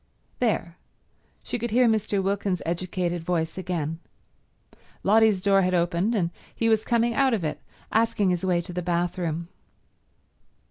There—she could hear Mr. Wilkins's educated voice again. Lotty's door had opened, and he was coming out of it asking his way to the bathroom.